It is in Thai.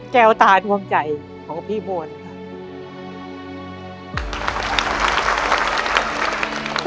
แก้วตาทวงใจของพี่มวลครับ